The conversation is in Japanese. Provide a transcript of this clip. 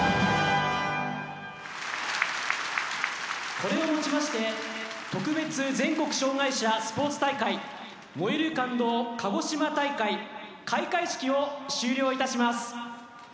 これをもちまして特別全国障害者スポーツ大会「燃ゆる感動かごしま大会」開会式を終了いたします。